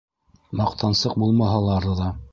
Маҡтансыҡ булмаһалар ҙа.